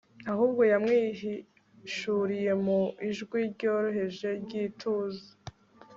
ahubwo yamwihishuriye mu ijwi ryoroheje ryituza